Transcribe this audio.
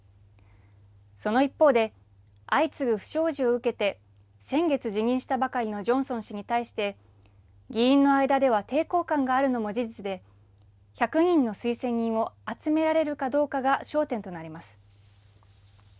その一方で、相次ぐ不祥事を受けて、先月辞任したばかりのジョンソン氏に対して、議員の間では抵抗感があるのも事実で、１００人の推薦人を集められるかどうかが焦点となります。